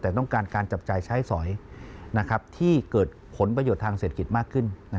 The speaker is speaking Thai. แต่ต้องการการจับจ่ายใช้สอยที่เกิดผลประโยชน์ทางเศรษฐกิจมากขึ้น